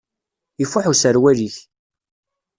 Ifuḥ userwal-ik.